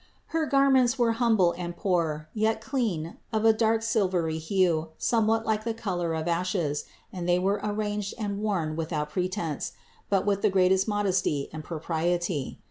116. Her garments were humble and poor, yet clean, of a dark silvery hue, somewhat like the color of ashes, and they were arranged and worn without pretense, but with the greatest modesty and propriety.